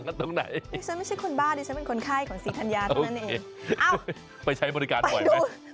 ฉันไม่ใช่คนบ้าดิฉันเป็นคนไข้ของศรีธรรยาทั้งนั้นเอง